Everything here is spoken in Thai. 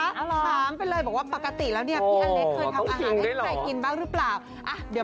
คำไปเลยบอกว่าปกติแล้วเนี่ย